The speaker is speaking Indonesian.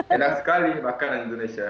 enak sekali makanan indonesia